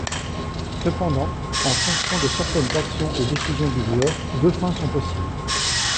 Cependant, en fonction de certaines actions et décisions du joueur, deux fins sont possibles.